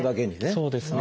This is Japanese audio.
そうですね。